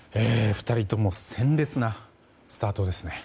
２人とも鮮烈なスタートですね。